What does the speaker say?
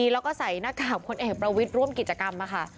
แล้วก็ใส่หน้ากากพลเอกประวิทย์ร่วมกิจกรรมค่ะ